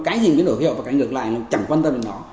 cái gì biến đổi khí hậu và cái ngược lại chẳng quan tâm đến nó